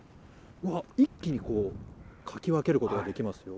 一気にかき分けることができますよ。